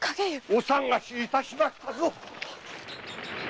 お探しいたしましたぞ！